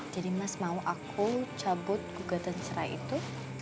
mas mau aku cabut gugatan cerai itu